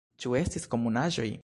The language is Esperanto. Ĉu estis komunaĵoj?